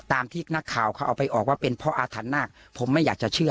ที่นักข่าวเขาเอาไปออกว่าเป็นเพราะอาถรรพนาคผมไม่อยากจะเชื่อ